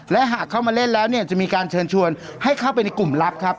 และหากเข้ามาเล่นแล้วเนี่ยจะมีการเชิญชวนให้เข้าไปในกลุ่มลับครับ